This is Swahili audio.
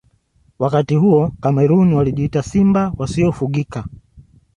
wakati huo cameroon walijiita simba wasiofugika